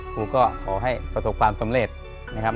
ครูก็ขอให้ประสบความสำเร็จนะครับ